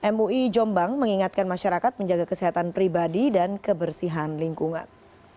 mui jombang mengingatkan masyarakat menjaga kesehatan pribadi dan kebersihan lingkungan